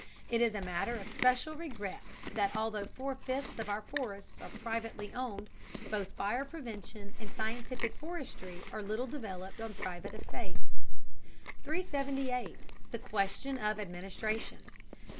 It is a matter of special regret that although four fifths of our forests are privately owned, both fire prevention and scientific forestry are little developed on private estates. 378. THE QUESTION OF ADMINISTRATION.